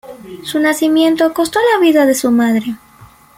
Su nacimiento costó la vida a su madre.